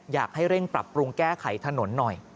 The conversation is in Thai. อยากให้เร่งปรับปรุงแก้ไขถนนหน่อย